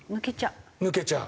抜けちゃう。